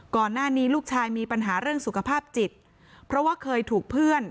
ก่อนหน้านี้ลูกชายมีปัญหาเรื่องสุขภาพจิตเพราะว่าเคยถูกเพื่อน